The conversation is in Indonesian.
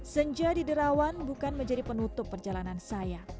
senja di derawan bukan menjadi penutup perjalanan saya